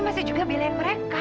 masih juga belain mereka